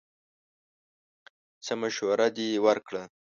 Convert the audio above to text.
څه مشوره دې ورکړه!